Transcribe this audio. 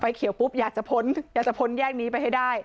เขียวปุ๊บอยากจะพ้นอยากจะพ้นแยกนี้ไปให้ได้